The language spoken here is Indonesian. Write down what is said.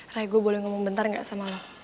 rai gue boleh ngomong bentar gak sama lo